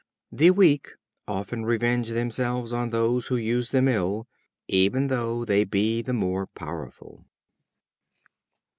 The weak often revenge themselves on those who use them ill, even though they be the more powerful.